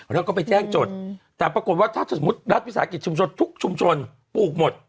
แล้วก็ไปแจ้งจดแต่ปรากฏว่าถ้าสมมุติรัฐวิสาหกิจชุมชนทุกชุมชนปลูกหมด